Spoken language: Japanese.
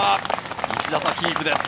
１打差キープです。